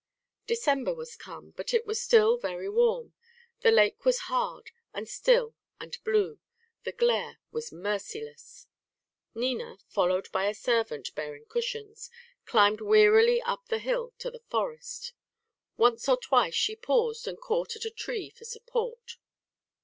December was come, but it was still very warm. The lake was hard and still and blue. The glare was merciless. Nina, followed by a servant bearing cushions, climbed wearily up the hill to the forest. Once or twice she paused and caught at a tree for support.